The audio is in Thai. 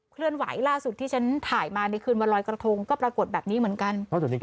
เคลื่อนไหวล่าสุดที่ฉันถ่ายมาในคืนวันรอยกระทงก็ปรากฏแบบนี้เหมือนกัน